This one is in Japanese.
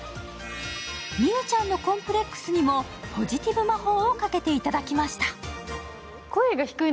美羽ちゃんのコンプレックスにもポジティブ魔法をかけていただきました。